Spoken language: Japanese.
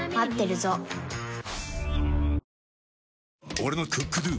俺の「ＣｏｏｋＤｏ」！